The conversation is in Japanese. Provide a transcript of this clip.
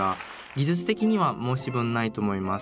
技術的には申し分ないと思います。